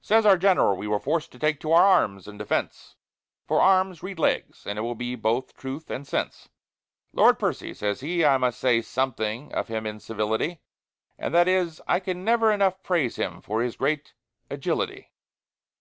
Says our general, "We were forced to take to our arms in our defence (For arms read legs, and it will be both truth and sense), Lord Percy (says he), I must say something of him in civility, And that is 'I can never enough praise him for his great agility.'"